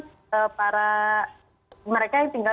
dan sebetulnya para mereka yang tinggal dengan saya mereka kaget sekali